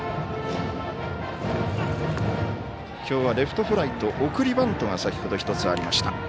きょうはレフトフライと送りバントが先ほど１つありました。